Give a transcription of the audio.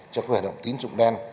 cho cái hoạt động tín dụng đen